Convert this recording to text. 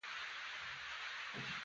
د تیمورشاه د وروڼو ناکراری منځته راوړي.